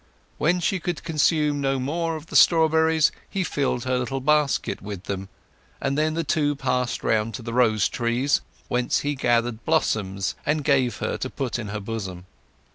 When she could consume no more of the strawberries he filled her little basket with them; and then the two passed round to the rose trees, whence he gathered blossoms and gave her to put in her bosom.